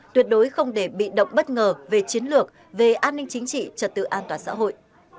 tuyệt đối không để bị động bất ngờ về chiến lược về an ninh chính trị trật tự an toàn xã hội